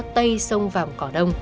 tây sông vàng cỏ đông